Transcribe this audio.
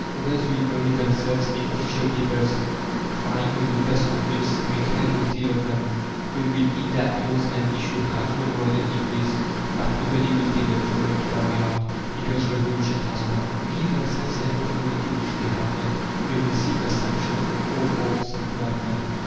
Others will bury themselves in official papers, trying, with the best of wills, to make head or tail of them. They will indite laws and issue high flown worded decrees that nobody will take the trouble to carry out because revolution has come. To give themselves an authority which they have not they will seek the sanction of old forms of Government.